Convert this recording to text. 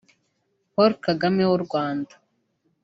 Paul Kagame w’u Rwanda